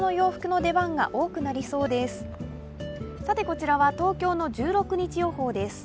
こちらは東京の１６日予報です。